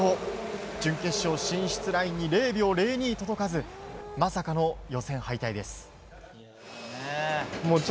準決勝進出ラインに０秒０２届かずまさかの予選敗退です。